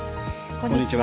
こんにちは。